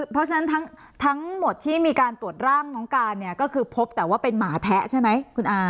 เพราะฉะนั้นทั้งหมดที่มีการตรวจร่างน้องการเนี่ยก็คือพบแต่ว่าเป็นหมาแทะใช่ไหมคุณอา